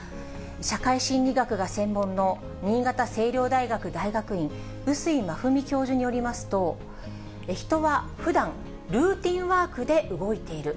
社会心理学が専門の新潟青陵大学大学院碓井真史教授によりますと、人はふだん、ルーティンワークで動いている。